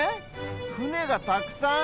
ふねがたくさん。